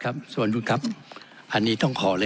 อันนี้ต้องขอเลยนะครับสามารถได้ครับต้องขอเลยครับ